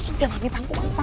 kita jangan berangku suara